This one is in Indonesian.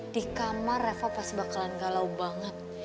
di kamar eva pas bakalan galau banget